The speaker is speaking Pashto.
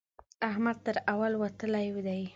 احمد تر اول وتلی دی.